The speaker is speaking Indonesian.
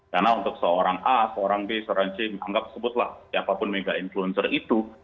karena untuk seorang a seorang b seorang c anggap sebutlah apapun mega influencer itu